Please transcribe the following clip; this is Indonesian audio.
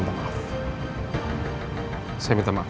ada banyak orang yang menganggap